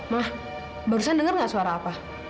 mah barusan dengar gak suara apa